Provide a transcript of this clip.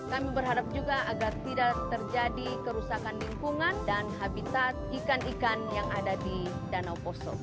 kami berharap juga agar tidak terjadi kerusakan lingkungan dan habitat ikan ikan yang ada di danau poso